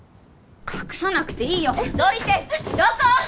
隠さなくていいよどいてどこ？